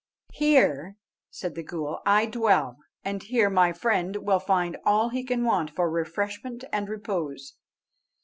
"Here," said the ghool, "I dwell, and here my friend will find all he can want for refreshment and repose."